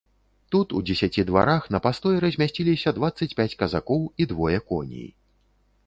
Тут у дзесяці дварах на пастой размясціліся дваццаць пяць казакоў і двое коней.